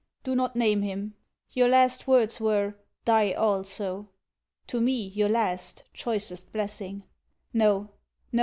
'Do not name him. Your last words were, Die also! To me your last, choicest blessing. No! No!